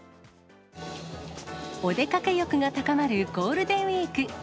お出かけ欲が高まるゴールデンウィーク。